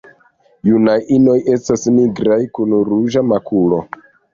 Junaj inoj estas nigraj kun ruĝa makulo.